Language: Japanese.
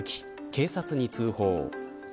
警察に通報。